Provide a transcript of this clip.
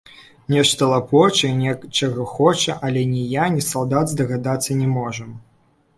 Нешта лапоча і нечага хоча, але ні я, ні салдат здагадацца не можам.